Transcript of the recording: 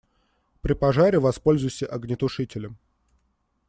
При пожаре воспользуйся огнетушителем.